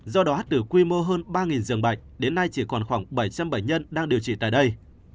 do đó từ quy mô hơn ba giường bệnh đến nay chỉ còn khoảng bảy trăm linh bệnh nhân đang điều trị tại đây